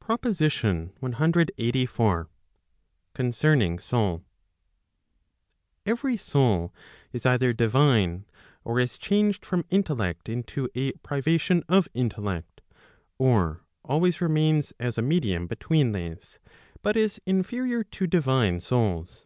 PROPOSITION CLXXXIV. Concerning Soul . Every soul is either divine, or is changed from intellect into a privation of intellect; or always remains as a medium between these, but is inferior to divine souls.